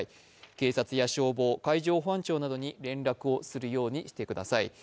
警察や消防、海上保安庁などに連絡をするようにしてください。